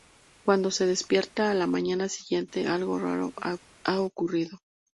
Cuando se despierta a la mañana siguiente, algo raro ha ocurrido.